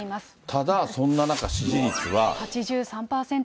ただ、そんな中、支持率は。